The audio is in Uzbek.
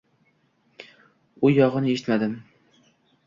U yogʻini eshitmadim